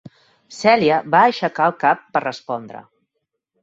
Celia va aixecar el cap per respondre.